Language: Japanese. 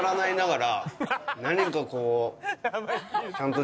何かこう。